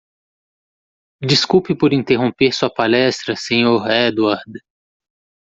Desculpe por interromper sua palestra?, senhor Edward.